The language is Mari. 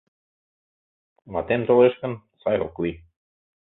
Ватем толеш гын, сай ок лий...